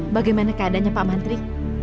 bagaimana keadaannya pak mantri